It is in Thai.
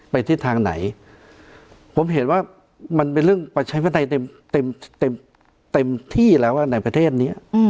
ทิศทางไหนผมเห็นว่ามันเป็นเรื่องประชาธิปไตยเต็มเต็มที่แล้วในประเทศนี้